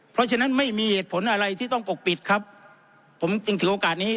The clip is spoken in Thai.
เพราะฉะนั้นไม่มีเหตุผลอะไรที่ต้องปกปิดครับผมจึงถือโอกาสนี้